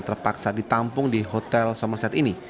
terpaksa ditampung di hotel summercet ini